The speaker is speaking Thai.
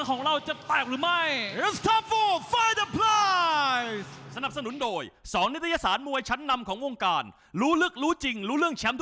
โอกุที่ผ่านมายังตายรอยอยู่เลยครับ